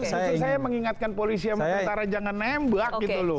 saya ingatkan polisi dan tentara jangan nembak gitu loh